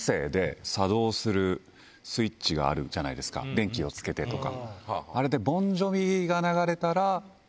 電気をつけて！とか。